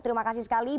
terima kasih sekali